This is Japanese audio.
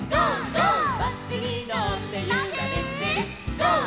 「ゴー！